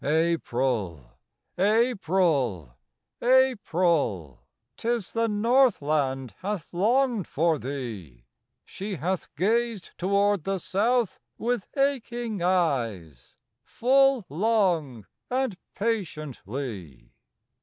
April! April! April! 'Tis the Northland hath longed for thee, She hath gazed toward the South with aching eyes Full long and patiently.